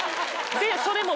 でそれも。